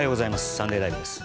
「サンデーＬＩＶＥ！！」です。